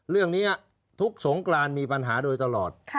เรื่องนี้ทุกสงกรานมีปัญหาโดยตลอด